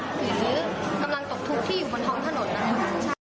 หรือกำลังตกทุกข์ที่อยู่บนท้องถนนนะคะ